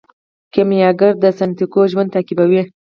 کیمیاګر د سانتیاګو ژوند تعقیبوي.